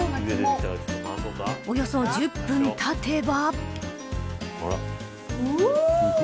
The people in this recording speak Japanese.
およそ１０分たてば。